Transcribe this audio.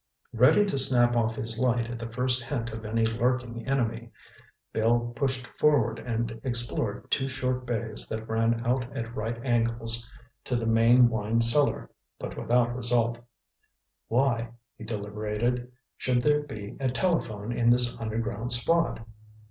Ready to snap off his light at the first hint of any lurking enemy, Bill pushed forward and explored two short bays that ran out at right angles to the main wine cellar, but without result. Why, he deliberated, should there be a telephone in this underground spot?